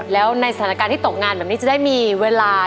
แล้วในสถานการณ์ที่ตกงานแบบนี้จะได้มีเวลา